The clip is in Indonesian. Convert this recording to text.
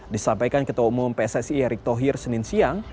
disampaikan ketua umum pssi erick thohir senin siang